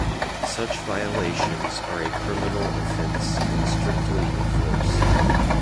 Such violations are a criminal offense and strictly enforced.